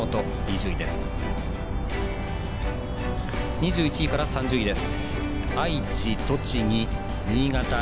２１から３０位です。